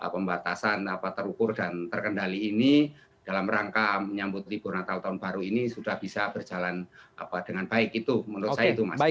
pembatasan terukur dan terkendali ini dalam rangka menyambut libur natal tahun baru ini sudah bisa berjalan dengan baik itu menurut saya itu mas